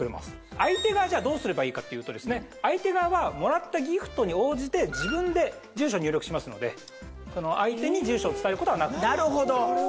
相手側じゃあどうすればいいかというとですね相手側はもらったギフトに応じて自分で住所を入力しますので相手に住所を伝えることはないなるほど！